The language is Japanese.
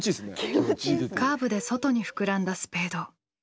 カーブで外に膨らんだスペード。